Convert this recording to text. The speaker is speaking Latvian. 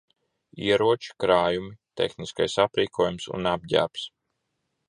Ieroči, krājumi, tehniskais aprīkojums un apģērbs.